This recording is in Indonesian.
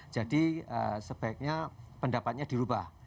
jadi sebaiknya pendapatnya dirubah